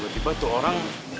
tiba tiba tuh orang